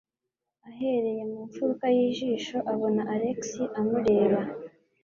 Ahereye mu mfuruka y'ijisho, abona Alex amureba.